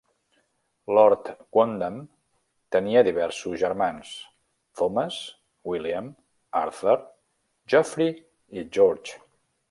Lord Quondam tenia diversos germans: Thomas, William, Arthur, Geoffery i George.